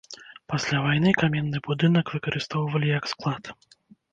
Пасля вайны каменны будынак выкарыстоўвалі як склад.